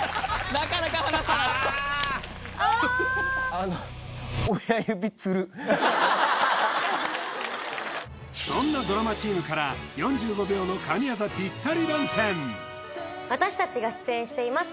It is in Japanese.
あのそんなドラマチームから４５秒の神業ピッタリ番宣私達が出演しています